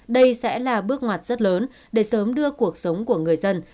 đây sẽ là bước ngoặt rất lớn để sớm đưa cuộc sống của người dân